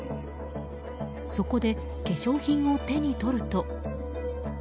そこで化粧品を手に取ると。